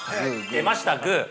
◆出ました、グー。